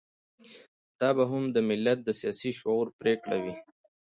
دا به هم د ملت د سياسي شعور پرېکړه وي.